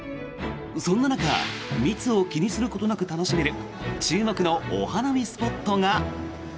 そんな中密を気にすることなく楽しめる注目のお花見スポットが。